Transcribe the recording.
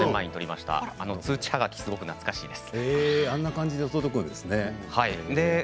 あんな感じで届くんですね。